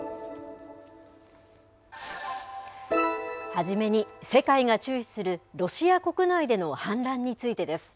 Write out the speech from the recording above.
初めに世界が注視するロシア国内での反乱についてです。